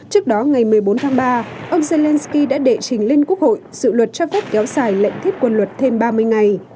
trước đó ngày một mươi bốn tháng ba ông zelenskyy đã đệ trình lên quốc hội dự luật cho phép kéo dài lệnh thiết quân luật thêm ba mươi ngày